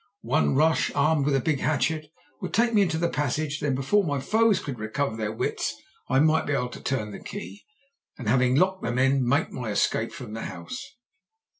One rush, armed with the big hatchet, would take me into the passage; then before my foes could recover their wits I might be able to turn the key, and, having locked them in, make my escape from the house.